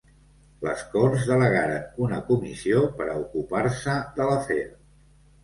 Les corts delegaren una comissió per a ocupar-se de l'afer.